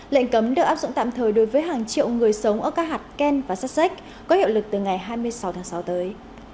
lệnh cấm được áp dụng tạm thời đối với hàng triệu người sống ở các hạt ken và sussex có hiệu lực từ ngày hai mươi sáu tháng sáu tới